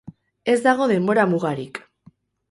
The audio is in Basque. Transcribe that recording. Ez dago denbora mugarik.